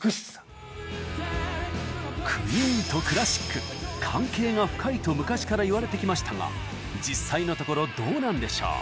なんかもう関係が深いと昔から言われてきましたが実際のところどうなんでしょう？